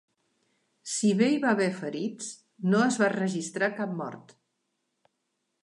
Si bé hi va haver ferits, no es va registrar cap mort.